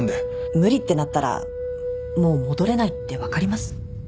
無理ってなったらもう戻れないって分かります？